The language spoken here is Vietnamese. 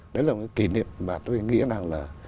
đấy là một cái kỷ niệm mà tôi nghĩ rằng là